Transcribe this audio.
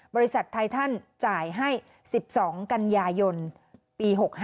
บริษัทไททันจ่ายให้๑๒กันยายนปี๖๕